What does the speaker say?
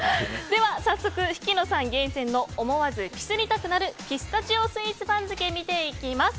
では早速ヒキノさん厳選の思わずピスりたくなるピスタチオスイーツ番付見ていきます。